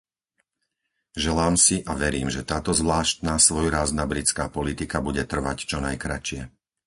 Želám si a verím, že táto zvláštna, svojrázna britská politika bude trvať čo najkratšie.